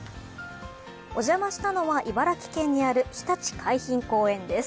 お邪魔したのは茨城県にあるひたち海浜公園です。